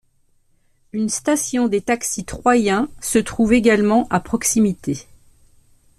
Une station des taxis troyens se trouve également à proximité.